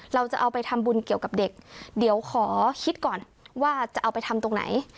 เราจะเอาไปทำบุญเกี่ยวกับเด็กเดี๋ยวขอคิดก่อนว่าจะเอาไปทำตรงไหน